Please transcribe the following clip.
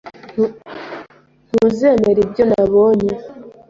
Ntuzemera ibyo nabonye.